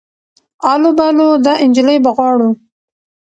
آلو بالو دا انجلۍ به غواړو